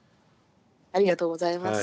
ありがとうございます。